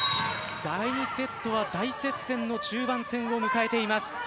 第２セットは大接戦の中盤戦を迎えています。